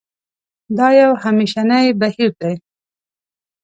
دا یو همېشنی بهیر دی.